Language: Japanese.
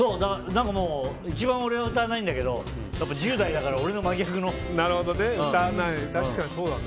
一番俺は歌わないんだけどやっぱり１０代だから俺と真逆の。